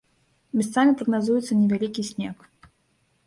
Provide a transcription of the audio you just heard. Месцамі прагназуецца невялікі снег.